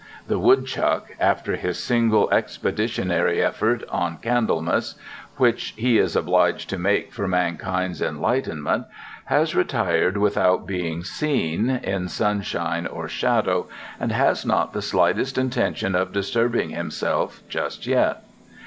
The woodchuck, after his single expeditionary effort on Candlemas, which he is obliged to make for mankind's enlightenment, has retired without being seen, in sunshine or shadow, and has not the slightest intention of disturbing himself just yet.